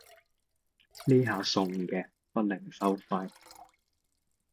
呢下送嘅，不另收費